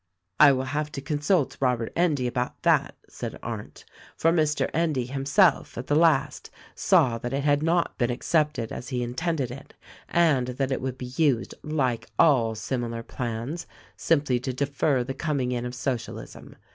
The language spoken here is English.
"I will have to consult Robert Endy about that," said Arndt; "for Mr. Endy himself, at the last, saw that it had not been accepted as he intended it and that it would be used — like all similar plans — simply to defer the coming in of Socialism.